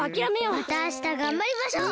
またあしたがんばりましょう！